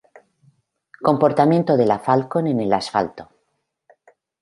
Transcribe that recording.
Comportamiento de la Falcon en el asfalto.